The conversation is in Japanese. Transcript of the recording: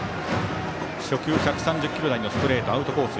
初球１３０キロ台のストレートアウトコース